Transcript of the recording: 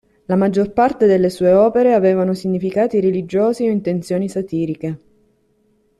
La maggior parte delle sue opere avevano significati religiosi o intenzioni satiriche.